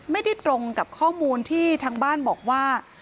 ไม่ได้ตรงกับข้อมูลที่ทางบ้านบอกว่า